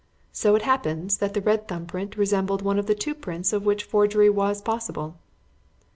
So it happens that the red thumb print resembled one of the two prints of which forgery was possible.